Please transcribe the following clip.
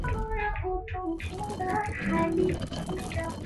Wahan ndio kabila kubwa zaidi nchini China kwa